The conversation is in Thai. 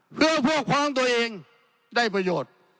เพื่อพวกพ้องตัวเองได้ประโยชน์